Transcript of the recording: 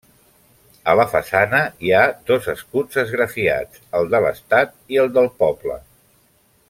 A la façana hi ha dos escuts esgrafiats: el de l'estat, i el del poble.